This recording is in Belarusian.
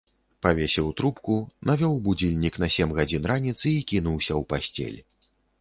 Павесіў трубку, навёў будзільнік на сем гадзін раніцы і кінуўся ў пасцель.